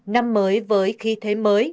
năm mới với khí thế mới